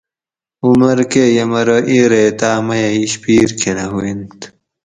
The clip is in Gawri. عمر کۤہ یمرو اِیں ریتاۤں میۤہ اِشپیر کھۤنہ ہوئینت